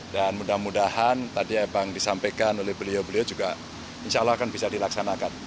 dan mudah mudahan tadi ebang disampaikan oleh beliau beliau juga insya allah akan bisa dilaksanakan